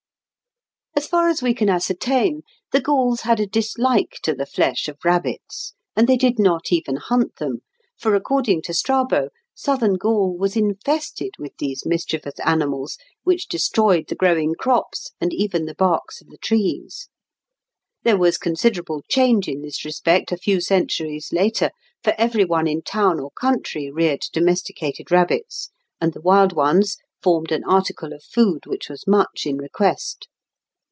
As far as we can ascertain, the Gauls had a dislike to the flesh of rabbits, and they did not even hunt them, for according to Strabo, Southern Gaul was infested with these mischievous animals, which destroyed the growing crops, and even the barks of the trees. There was considerable change in this respect a few centuries later, for every one in town or country reared domesticated rabbits, and the wild ones formed an article of food which was much in request.